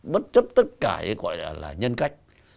bất chấp tất cả cái gọi là nhân cách